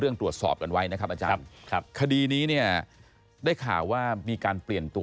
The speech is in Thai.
ตรวจสอบกันไว้นะครับอาจารย์ครับคดีนี้เนี่ยได้ข่าวว่ามีการเปลี่ยนตัว